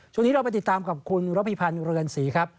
ช่วงนี้เราไปติดตามกับคุณรบีภาคเรือนสีครับ